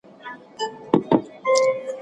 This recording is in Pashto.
د احمد شاه ابدالي د مړینې خبر څنګه پټ وساتل سو؟